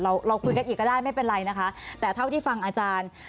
เราเราคุยกันอีกก็ได้ไม่เป็นไรนะคะแต่เท่าที่ฟังอาจารย์